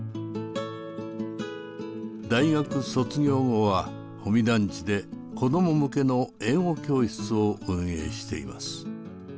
大学卒業後は保見団地で子ども向けの英語教室を運営しています。